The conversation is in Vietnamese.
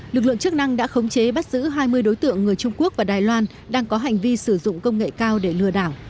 lực lượng chức năng đã khống chế bắt giữ hai mươi đối tượng người trung quốc và đài loan đang có hành vi sử dụng công nghệ cao để lừa đảo